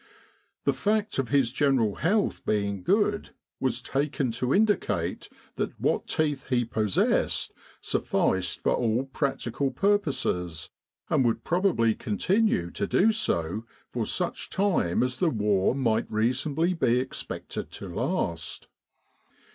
The fact of his general health being good was taken to indicate that what teeth he possessed sufficed for all 20 1 With the R.A.M.C. in Egypt practical purposes, and would probably continue to do so for such time as the war might reasonably be expected to last.